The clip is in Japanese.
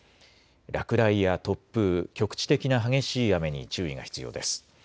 落雷や突風、局地的な激しい雨に注意が必要です。